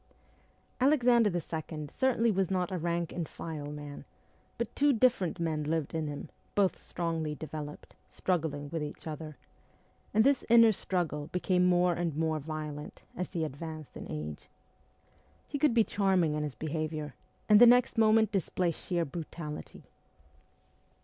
Alexander II. certainly was not a rank and file man, but two different men lived in him, both strongly developed, struggling with each other ; and this inner struggle became more and more violent as he advanced in age. He could be charming in his behaviour, and the next moment display sheer brutality.